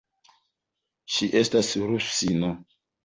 Ŝi estas rusino.